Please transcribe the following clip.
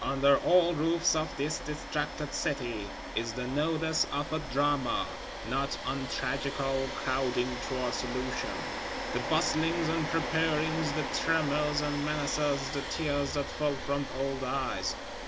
Under all roofs of this distracted City is the nodus of a Drama, not untragical, crowding toward solution. The bustlings and preparings, the tremors and menaces; the tears that fell from old eyes!